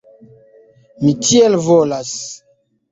Mi tiel volas.